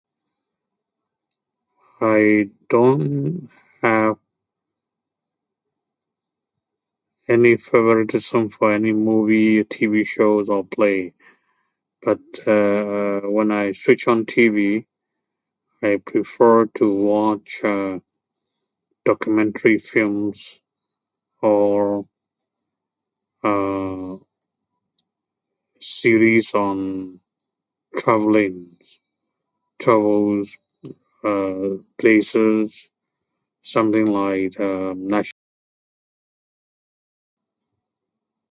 I don't have any favorite [unintelligible] movie, TV shows or play ... but when I switch on TV I prefer to watch documentary films, or series on traveling, travel places, something like [unintelligible]